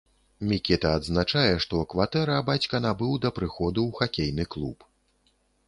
Мікіта адзначае, што кватэра бацька набыў да прыходу ў хакейны клуб.